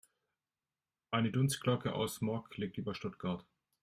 Eine Dunstglocke aus Smog liegt über Stuttgart.